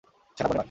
সেনা বনে নয়।